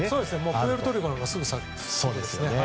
プエルトリコのすぐ先ですね。